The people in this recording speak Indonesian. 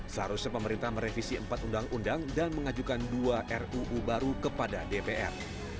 seharusnya pemerintah merevisi empat undang undang dan mengajukan dua ruu baru kepada dpr